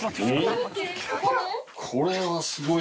これはすごい。